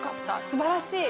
すばらしい。